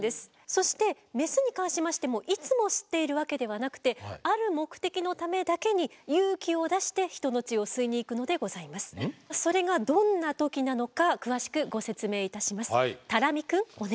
そしてメスに関しましてもいつも吸っているわけではなくてそれがどんな時なのか詳しくご説明いたします。